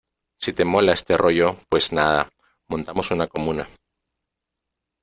si te mola este rollo , pues nada , montamos una comuna